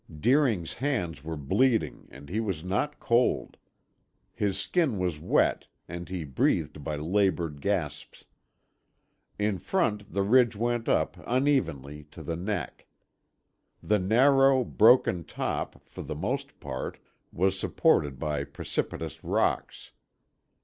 Deering's hands were bleeding and he was not cold. His skin was wet and he breathed by labored gasps. In front, the ridge went up, unevenly, to the neck. The narrow, broken top, for the most part, was supported by precipitous rocks.